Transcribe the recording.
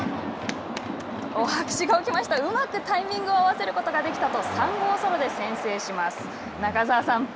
「うまくタイミングを合わせることができた」と３号ソロで先制します。